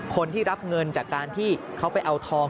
คนที่รับเงินจากการที่เขาไปเอาทอง